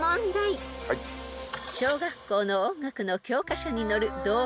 ［小学校の音楽の教科書に載る童謡］